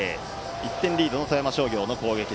１点リードの富山商業の攻撃。